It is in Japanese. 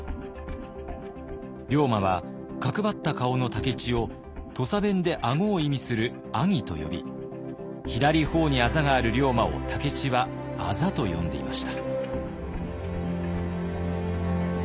龍馬は角張った顔の武市を土佐弁で顎を意味する「アギ」と呼び左頬にあざがある龍馬を武市は「アザ」と呼んでいました。